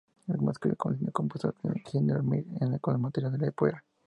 Es más conocida una sinfonía compuesta por Hindemith con el material de la ópera.